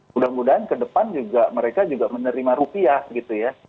mudah mudahan ke depan juga mereka juga menerima rupiah gitu ya